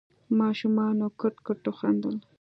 ماشومانو کټ کټ وخندل.